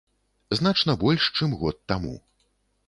Значна больш, чым год таму.